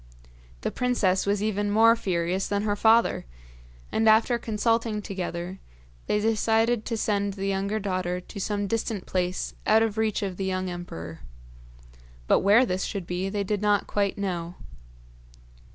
The princess was even more furious than her father, and after consulting together they decided to send the younger daughter to some distant place out of reach of the young emperor; but where this should be they did not quite know.